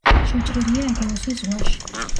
შეჭრილია ეგეოსის ზღვაში.